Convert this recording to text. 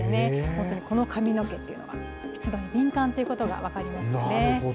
本当にこの髪の毛っていうのが湿度に敏感ということが分かりますよね。